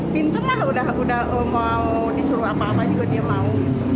pintun lah udah mau disuruh apa apa juga dia mau